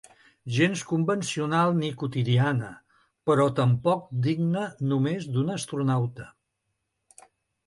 Gens convencional ni quotidiana, però tampoc digne només d'un astronauta.